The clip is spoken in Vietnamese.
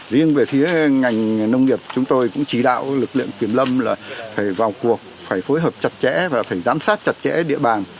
riêng về phía ngành nông nghiệp chúng tôi cũng chỉ đạo lực lượng kiểm lâm là phải vào cuộc phải phối hợp chặt chẽ và phải giám sát chặt chẽ địa bàn